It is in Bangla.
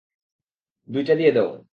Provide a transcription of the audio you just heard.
দুইটা দিয়ে দেও।